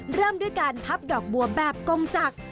เริ่มด้วยการพับดอกบัวแบบกงจักร